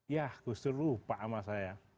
ya gus dur lupa sama saya